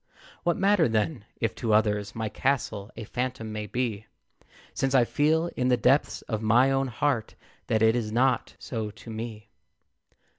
What matter, then, if to others My castle a phantom may be, Since I feel, in the depths of my own heart, That it is not so to me?